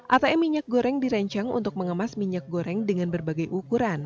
atm minyak goreng dirancang untuk mengemas minyak goreng dengan berbagai ukuran